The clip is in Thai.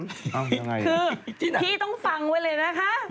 คือพี่ต้องฟังไว้เลยนะคะ